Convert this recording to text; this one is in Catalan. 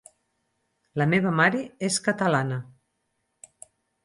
La meva mare és catalana.